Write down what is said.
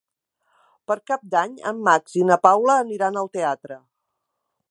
Per Cap d'Any en Max i na Paula aniran al teatre.